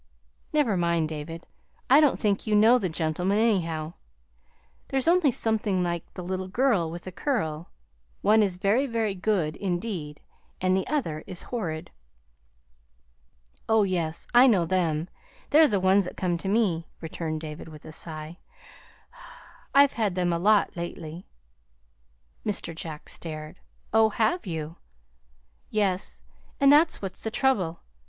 "Never mind, David. I don't think you know the gentlemen, anyhow. They're only something like the little girl with a curl. One is very, very good, indeed, and the other is horrid." "Oh, yes, I know them; they're the ones that come to me," returned David, with a sigh. "I've had them a lot, lately." Mr. Jack stared. "Oh, have you?" "Yes; and that's what's the trouble.